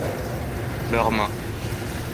leur main.